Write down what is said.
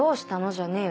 じゃねえよ